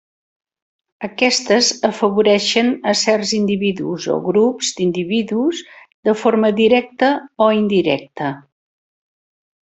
Aquestes afavoreixen a certs individus o grups d'individus de forma directa o indirecta.